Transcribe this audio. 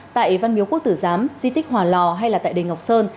tại văn miếu quốc tử giám di tích hòa lò hay là tại đền ngọc sơn